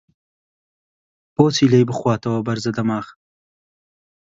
بۆ چی لێی بخواتەوە بەرزە دەماخ؟!